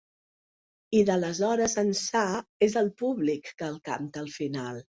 I d’aleshores ençà és el públic que el canta al final.